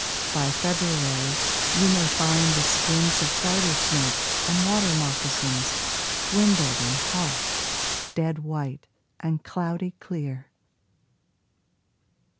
By February you may find the skins Of garter snakes and water moccasins Dwindled and harsh, dead white and cloudy clear.